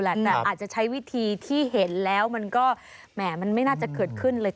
แต่อาจจะใช้วิธีที่เห็นแล้วมันก็แหมมันไม่น่าจะเกิดขึ้นเลย